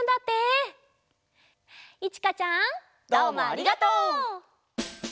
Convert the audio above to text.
どうもありがとう！